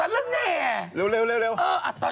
เร็วเอออะตอนเชิญต่อค่ะ